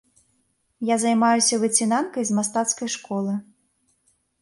Я займаюся выцінанкай з мастацкай школы.